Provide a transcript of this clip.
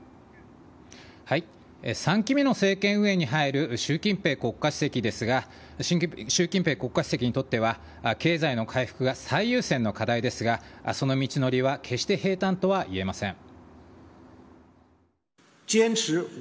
３期目の政権運営に入る習近平国家主席にとっては経済の回復が最優先の課題ですがその道のりは決して平たんとはいえません。